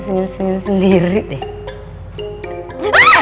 senyum senyum sendiri deh